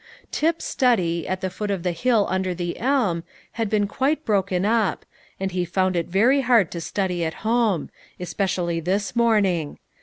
Tip's study, at the foot of the hill under the elm, had been quite broken up, and he found it very hard to study at home, especially this morning.